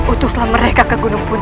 utuslah mereka ke gunung buntang